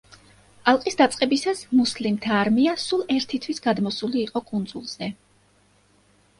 ალყის დაწყებისას, მუსლიმთა არმია სულ ერთი თვის გადმოსული იყო კუნძულზე.